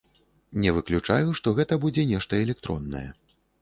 Не выключаю, што гэта будзе нешта электроннае.